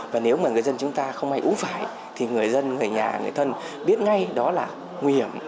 và nếu mà người dân chúng ta không ai uống phải thì người dân người nhà người thân biết ngay đó là nguy hiểm